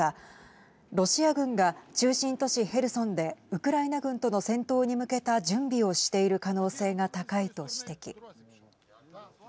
ロシア軍が中心都市ヘルソンでウクライナ軍との戦闘に向けた準備をしている可能性が高いと指摘。